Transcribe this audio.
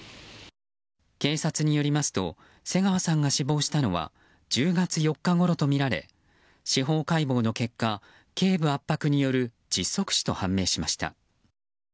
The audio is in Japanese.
警察によりますと瀬川さんが死亡したのは１０月４日ごろとみられ司法解剖の結果頸部圧迫による窒息死と判明しました。